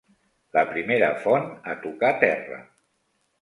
La primera font a tocar terra.